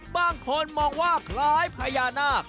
บางคนมองว่าคล้ายพญานาค